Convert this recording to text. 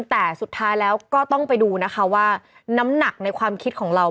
แต่สุดท้ายแล้วก็ต้องไปดูนะคะว่าน้ำหนักในความคิดของเรา